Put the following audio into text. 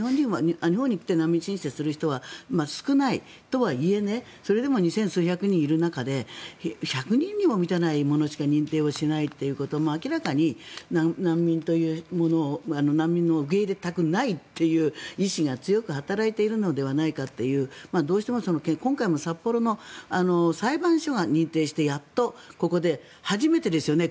日本に来て難民申請する人は少ないとはいえそれでも２０００数百人いる中で１００人にも満たない者にか認定しないということは明らかに難民というものを難民を受け入れたくないという意思が強く働いているのではないかというどうしても今回も札幌の裁判所が認定してやっとここで、初めてですよね